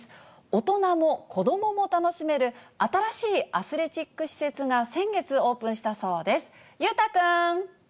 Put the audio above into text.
大人も子どもも楽しめる、新しいアスレチック施設が先月オープンしたそうです。